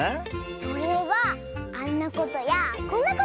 それはあんなことやこんなことをするんだよ。